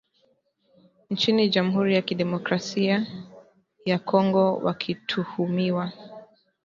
nchini Jamhuri ya Kidemokrasi ya Kongo wakituhumiwa